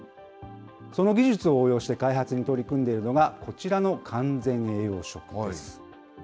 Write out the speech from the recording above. その技術を応用して開発に取り組んでいるのが、こちらの完全栄養食です。